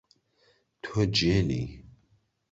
تۆ گێلی!